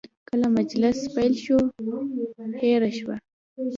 کله مجلس پیل شو، هیره شوه.